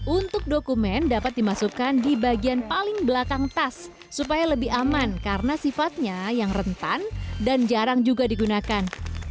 untuk dokumen dapat dimasukkan di bagian paling belakang tas supaya lebih aman karena sifatnya yang rentan dan jarang juga digunakan